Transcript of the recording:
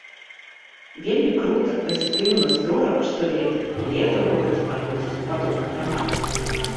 Вельмі крута, пазітыўна, здорава, што лета і лета ў горадзе праходзіць у падобным фармаце.